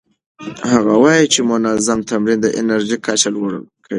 هغه وايي چې منظم تمرین د انرژۍ کچه لوړه کوي.